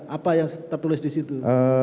apa yang tertulis disitu